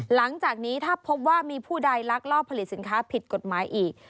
หลังจากนี้ถ้าพบว่ามีผู้ใดลักลอบผลิตสินค้าผิดกฎหมายอีก